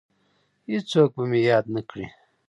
هیڅوک به مې یاد نه کړي